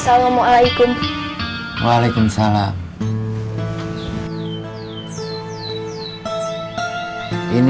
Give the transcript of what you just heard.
saya juga bersentuhan maloop